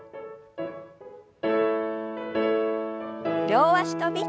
両脚跳び。